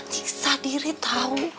ciksa diri tau